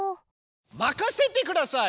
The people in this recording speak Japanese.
任せてください！